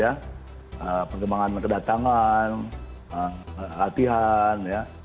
baiknya pengembangan kedatangan latihan